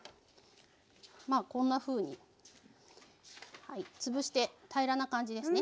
まあこんなふうにつぶして平らな感じですね。